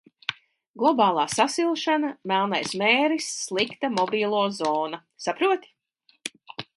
Globālā sasilšana, melnais mēris, slikta mobilo zona, saproti?